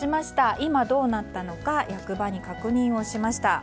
今どうなったのか役場に確認しました。